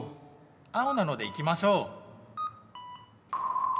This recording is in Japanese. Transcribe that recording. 青なので行きましょう。